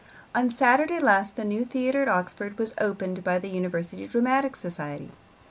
On Saturday last the new theatre at Oxford was opened by the University Dramatic Society.